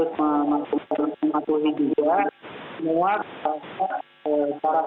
harus mematuhi juga semua cara cara